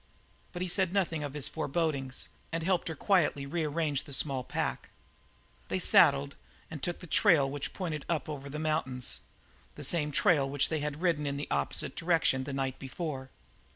But he said nothing of his forebodings and helped her quietly to rearrange the small pack. They saddled and took the trail which pointed up over the mountains the same trail which they had ridden in an opposite direction the night before.